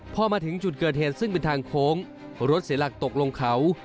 พอมาถึงจุดเกิดเหตุซึ่งเป็นทางโค้งรถเสียหลักตกลงเขา